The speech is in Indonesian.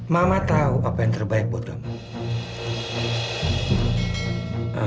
mama tahu apa yang terbaik buat kamu